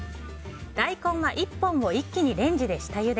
大根は１本を一気にレンジで下ゆで。